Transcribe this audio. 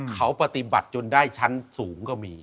เขาปฏิบัติจนได้ชั้นสูงก็มี